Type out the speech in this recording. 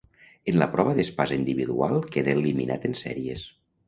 En la prova d'espasa individual quedà eliminat en sèries.